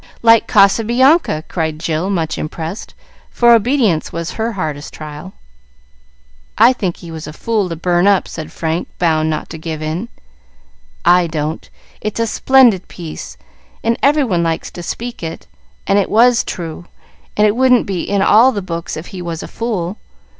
"Like Casabianca!" cried Jill, much impressed, for obedience was her hardest trial. "I think he was a fool to burn up," said Frank, bound not to give in. "I don't. It's a splendid piece, and every one likes to speak it, and it was true, and it wouldn't be in all the books if he was a fool.